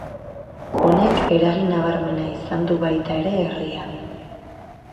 Honek eragin nabarmena izan du baita ere herrian.